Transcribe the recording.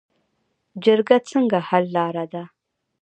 جرګه څنګه حل لاره ده؟